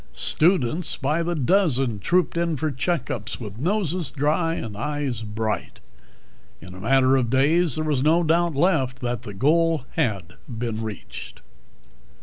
Students by the dozen trooped in for checkups with noses dry and eyes bright. In a matter of days there was no doubt left that the goal had been reached.